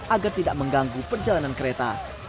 agar tidak mengganggu perjalanan kereta